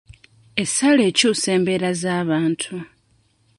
Essaala ekyusa embeera z'abantu.